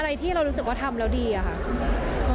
อะไรที่เรารู้สึกว่าทำแล้วดีอะค่ะ